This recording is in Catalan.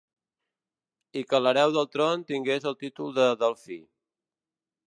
I que l'hereu al tron tingués el títol de delfí.